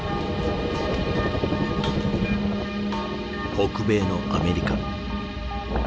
北米のアメリカ。